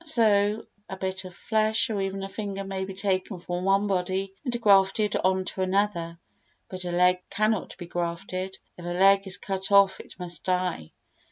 So a bit of flesh or even a finger may be taken from one body and grafted on to another, but a leg cannot be grafted; if a leg is cut off it must die.